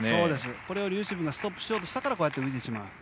これをリュウシブンがストップしようとしたから浮いてしまう。